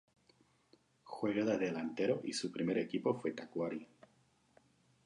Juega de delantero y su primer equipo fue Tacuary.